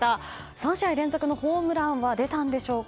３試合連続のホームランは出たんでしょうか。